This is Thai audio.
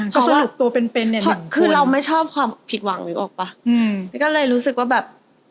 เพราะว่าคือเราไม่ชอบความผิดหวังนึกออกปะแล้วก็เลยรู้สึกว่าแบบ